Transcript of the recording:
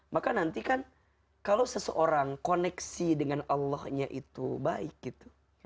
maka nanti kan kalau seseorang koneksi dengan allahnya itu baik gitu